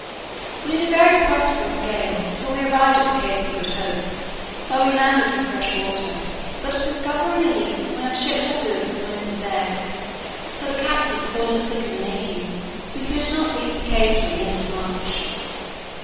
We had a very prosperous gale, till we arrived at the Cape of Good Hope, where we landed for fresh water; but discovering a leak, we unshipped our goods and wintered there; for the captain falling sick of an ague, we could not leave the Cape till the end of March.